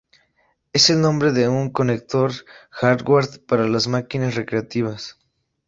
Es el nombre de un conector hardware para máquinas recreativas.